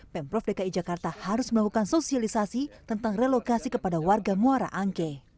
pemprov dki jakarta harus melakukan sosialisasi tentang relokasi kepada warga muara angke